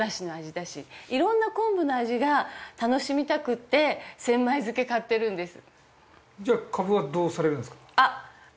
色んな昆布の味が楽しみたくって千枚漬け買ってるんです。